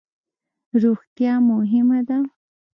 روغتیا مهمه ده